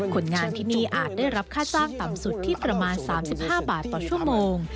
คนงานที่นี่อาจได้รับค่าจ้างต่ำสุดที่ประมาณ๓๕บาทต่อชั่วโมง